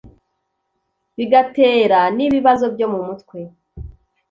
bigatera n’ ibibazo byo mu mutwe.